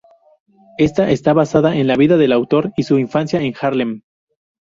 Esta está basada en la vida del autor y su infancia en Harlem.